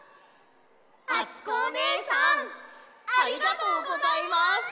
あつこおねえさんありがとうございます！